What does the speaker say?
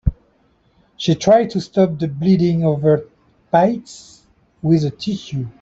She tried to stop the bleeding of her thighs with a tissue.